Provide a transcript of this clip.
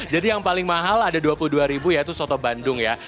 jadi yang paling mahal ada rp dua puluh dua yaitu soto bandung ya